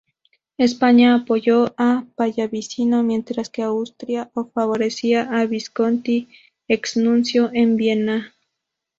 España apoyó a Pallavicino, mientras que Austria favorecía a Visconti, ex-nuncio en Viena.